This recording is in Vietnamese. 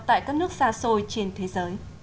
tại các nước xa xôi trên thế giới